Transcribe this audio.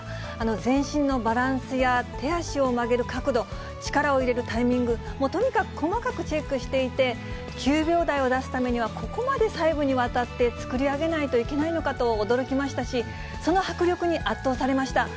全身のバランスや手足を曲げる角度、力を入れるタイミング、とにかく細かくチェックしていて、９秒台を出すためには、ここまで細部にわたって作り上げないといけないのかと驚きましたし、その迫力に圧倒されました。